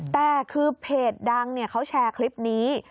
แต่คือเพจดังเขาแชร์คลิปนี้